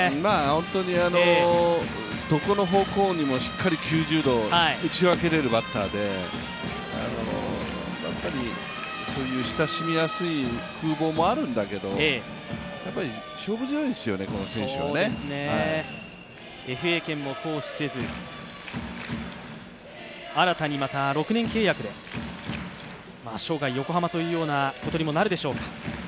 本当にどこの方向にもしっかり９０度打ち分けられるバッターでそういう親しみやすい風貌もあるんだけれども勝負強いですよね、この選手はね。ＦＡ権も行使せず、新たにまた６年契約で生涯横浜ということにもなるでしょうか。